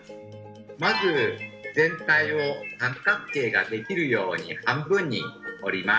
まず全体を三角形ができるように半分に折ります。